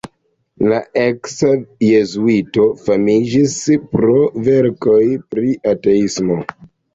La eksa jezuito famiĝis pro verkoj pri ateismo.